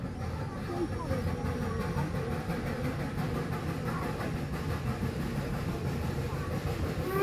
შვეიცარიის ეროვნული პარკი ესაზღვრება იტალიაში მდებარე სტელვიოს ეროვნულ პარკს.